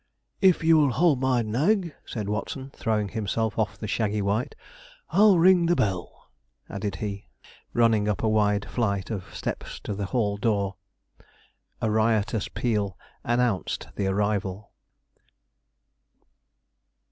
'If you'll hold my nag,' said Watson, throwing himself off the shaggy white, 'I'll ring the bell,' added he, running up a wide flight of steps to the hall door. A riotous peal announced the arrival.